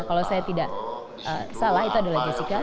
kalau saya tidak salah itu adalah jessica